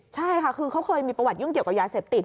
ใช่ค่ะคือเขาเคยมีประวัติยุ่งเกี่ยวกับยาเสพติด